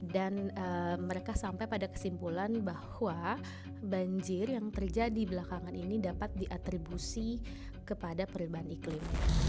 dan mereka sampai pada kesimpulan bahwa banjir yang terjadi belakangan ini dapat diatribusi kepada perubahan iklim